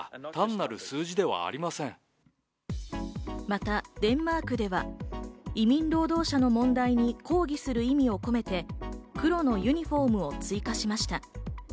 またデンマークでは、移民労働者の問題に抗議する意味を込めて黒のユニホームを追加しました。